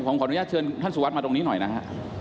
ผมขออนุญาตเชิญท่านสุวัสดิมาตรงนี้หน่อยนะฮะ